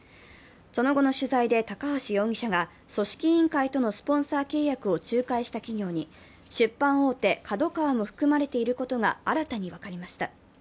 その後の取材で、高橋容疑者が組織委員会とのスポンサー契約を仲介した企業に出版大手、ＫＡＤＯＫＡＷＡも含まれていることが新たに分かりました。